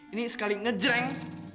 ini sekali ngejreng